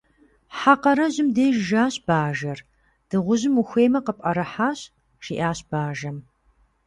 Хьэ къарэжьым деж жащ бажэр. - Дыгъужьым ухуеймэ, къыпӏэрыхьащ, - жиӏащ бажэм.